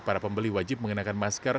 para pembeli wajib mengenakan masker